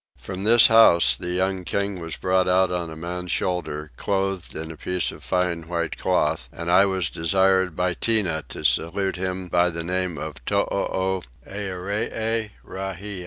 From this house the young king was brought out on a man's shoulders, clothed in a piece of fine white cloth, and I was desired by Tinah to salute him by the name of Too Earee Rahie.